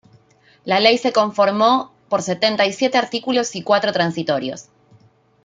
La ley se conformó por setenta y siete artículos y cuatro transitorios.